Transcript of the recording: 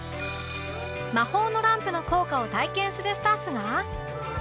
魔法のランプの効果を体験するスタッフが